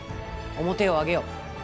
面を上げよ。